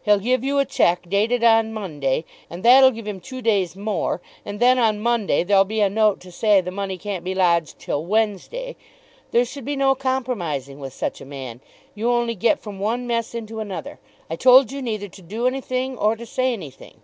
He'll give you a cheque dated on Monday, and that'll give him two days more, and then on Monday there'll be a note to say the money can't be lodged till Wednesday. There should be no compromising with such a man. You only get from one mess into another. I told you neither to do anything or to say anything."